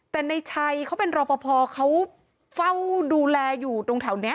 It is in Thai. แต่ในชัยเขาเป็นรอปภเขาเฝ้าดูแลอยู่ตรงแถวนี้